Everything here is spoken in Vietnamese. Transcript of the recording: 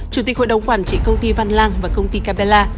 chủ tịch hội đồng quản trị công ty văn lang và công ty capella